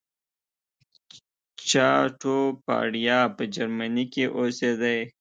چاټوپاړیا په جرمني کې اوسېدی.